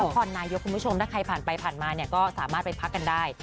ถ้าใครผ่านไปผ่านมาเนี่ยก็สามารถไปพักกันได้